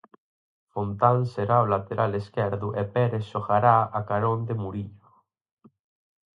Fontán será o lateral esquerdo e Pérez xogará a carón de Murillo.